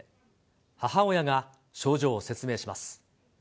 母親が症状を説明します。